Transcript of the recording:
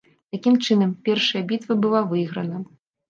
Такім чынам, першая бітва была выйграна.